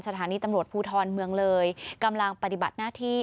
สถานีตำรวจภูทรเมืองเลยกำลังปฏิบัติหน้าที่